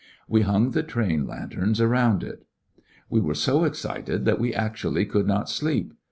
We hung the train lanterns around it. We were so excited that we actually could not sleep.